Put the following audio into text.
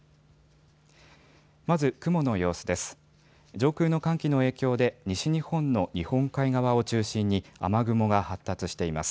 まず雲の様子です。